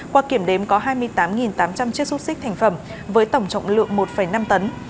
qua kiểm đếm có hai mươi tám tám trăm linh chiếc xúc xích thành phẩm với tổng trọng lượng một năm tấn